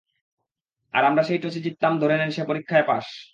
আর আমরা যেই টসে জিততাম ধরে নেন সে পরীক্ষায় পাস!